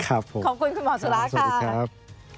ขอบคุณคุณหมอศุลาค่ะสวัสดีครับ